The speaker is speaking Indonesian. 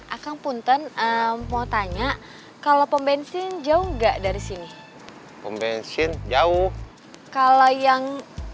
akang punten mau tanya kalau pembensin jauh nggak dari sini pembensin jauh kalau yang